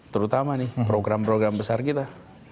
terutama nih program program besar kita